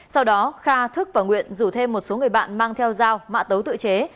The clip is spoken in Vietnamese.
sau đó kha thức và nguyện rủ thêm một số người bạn mang theo dao mạ tấu tự chế